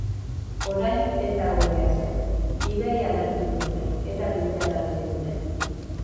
Orain ez dago ia ezer; ibaia aldatu digute, eta bizia aldatu digute.